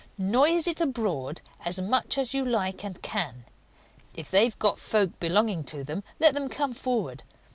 "Noise it abroad as much as you like and can! If they've folk belonging to them, let them come forward.